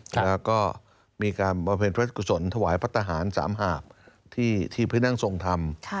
แล้วก็มีการบำเพ็ญพระกุศลถวายพระทหารสามหาบที่พระนั่งทรงธรรม